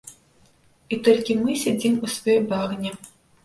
І толькі мы сядзім у сваёй багне.